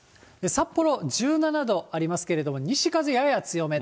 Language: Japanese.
札幌１７度ありますけれども、西風やや強め。